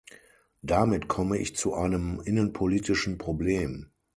Damit komme ich zu einem innenpolitischen Problem.